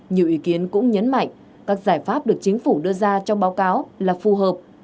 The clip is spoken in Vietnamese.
nhiều ý kiến cũng nhấn mạnh các giải pháp được chính phủ đưa ra trong báo cáo là phù hợp